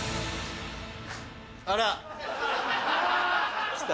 あら。来た。